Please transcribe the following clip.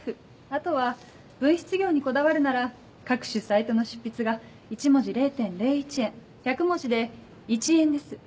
あとは文筆業にこだわるなら各種サイトの執筆が１文字０．０１円１００文字で１円です。